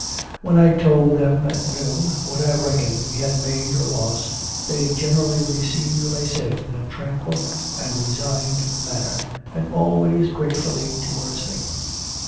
When I told them at noon, what I reckoned we had made or lost, they generally received what I said in a tranquil and resigned manner, and always gratefully towards me.